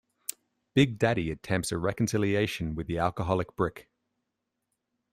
Big Daddy attempts a reconciliation with the alcoholic Brick.